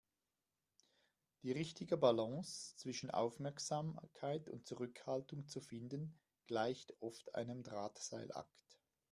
Die richtige Balance zwischen Aufmerksamkeit und Zurückhaltung zu finden, gleicht oft einem Drahtseilakt.